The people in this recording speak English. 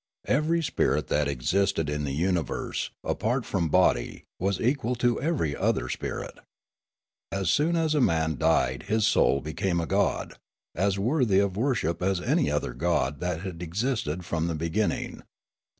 Every spirit that existed in the universe apart from body was equal to every other spirit. As soon as a man died his soul became a god, as worthy of worship as any other god that had existed from the beginning.